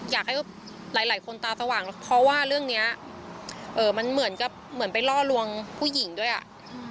อ๋อเหมือนไปร่อรวงผู้หญิงด้วยอะ